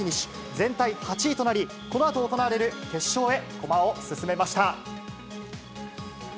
全体８位となり、このあと行われる決勝へ駒を進めました。